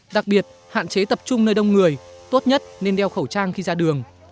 đặc biệt hạn chế tập trung nơi đông người tốt nhất nên đeo khẩu trang khi ra đường